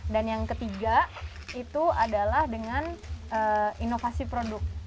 dan yang ketiga itu adalah dengan inovasi produk